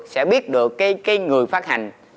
sẽ biết được cái người phát hành